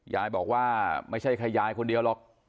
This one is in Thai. ยายบอกว่าไม่ใช่แค่ยายคนเดียวหรอก